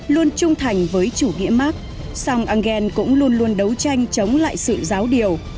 luôn trung thành với chủ nghĩa mark song engel cũng luôn luôn đấu tranh chống lại sự giáo điều